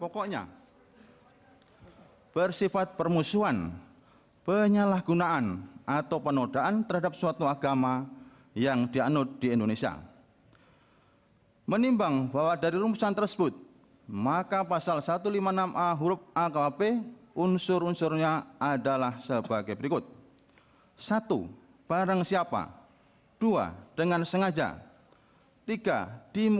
kepulauan seribu kepulauan seribu